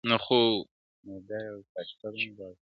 چي مي کور د رقیب سوځي دا لمبه له کومه راوړو-